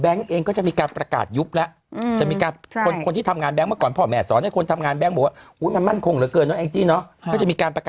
เบงก์เองก็จะมีการประกาศยุปแล้วคนที่ทำงานเบงก์เมื่อก่อนเพาะแม่เสาร์ให้คนทำงานเบงก์บอกว่า